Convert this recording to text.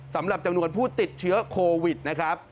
สำหรับจำนวนผู้ติดเชื้อโควิดนะครับ